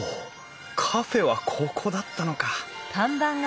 カフェはここだったのか。